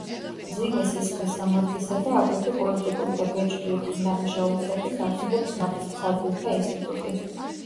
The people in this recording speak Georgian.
მძიმე სისხლის სამართლისა და, აგრეთვე, პოლიტიკური და ბეჭდვითი დანაშაულისათვის არსებობს ნაფიც მსაჯულთა ინსტიტუტი.